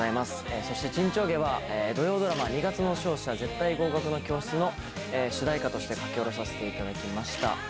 そして、沈丁花は土曜ドラマ、二月の勝者・絶対合格の教室の主題歌として書き下ろさせていただきました。